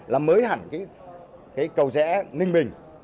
làm mới hẳn cái cầu rẽ ninh bình